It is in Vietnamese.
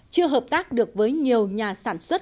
chưa hợp tác được với nhiều nhà